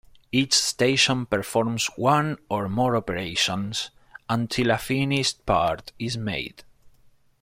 Each station performs one or more operations until a finished part is made.